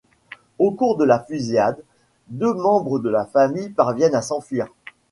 Au cours de la fusillade, deux membres de la famille parviennent à s'enfuir.